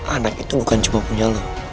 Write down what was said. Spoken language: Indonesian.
anak itu bukan cuma punya loh